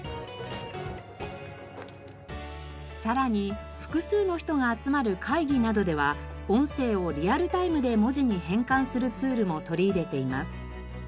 さらに複数の人が集まる会議などでは音声をリアルタイムで文字に変換するツールも取り入れています。